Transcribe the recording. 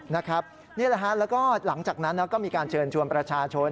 แล้วก็หลังจากนั้นก็มีการเชิญชวนประชาชน